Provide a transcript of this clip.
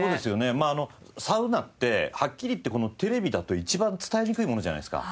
まああのサウナってはっきり言ってこのテレビだと一番伝えにくいものじゃないですか。